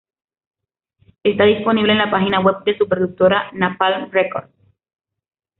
Está disponible en la página "web" de su productora, Napalm Records.